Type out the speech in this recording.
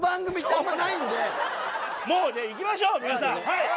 もうねいきましょう皆さん。